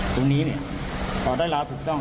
ตรงนี้เขาได้รับถูกต้อง